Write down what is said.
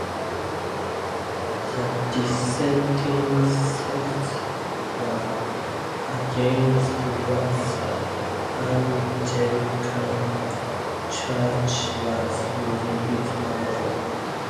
The dissenting sects were against what the Anglican church was using its power for.